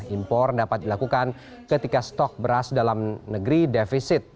impor dapat dilakukan ketika stok beras dalam negeri defisit